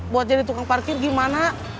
buat jadi tukang parkir gimana